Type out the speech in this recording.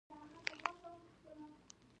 ناری ولسوالۍ پوله لري؟